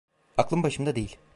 Aklım başımda değil…